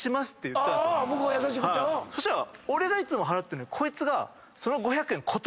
そしたら俺がいつも払ってんのに。